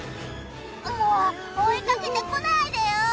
もう追いかけてこないでよ！